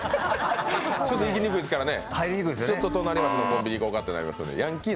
ちょっと行きにくいですからね。